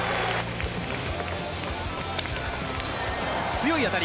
強い当たり！